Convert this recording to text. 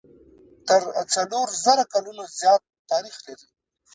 تر څلور زره کلونو زیات تاریخ لري.